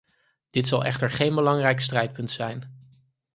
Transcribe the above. Dit zal echter geen belangrijk strijdpunt zijn.